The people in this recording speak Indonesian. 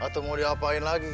aduh mau diapain lagi